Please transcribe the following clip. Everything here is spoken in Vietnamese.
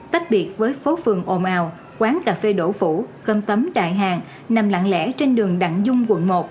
tách biệt với phố phường ồn ào quán cà phê đổ phủ gần tấm đại hàng nằm lặng lẽ trên đường đặng dung quận một